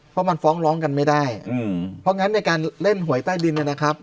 เพราะมันฟ้องร้องกันไม่ได้เพราะงั้นในการเล่นหวยใต้ดินนะครับ